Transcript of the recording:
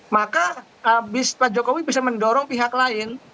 maka pak jokowi bisa mendorong pihak lain